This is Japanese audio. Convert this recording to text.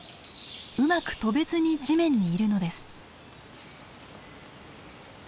うまく飛べずに地面にいるのです。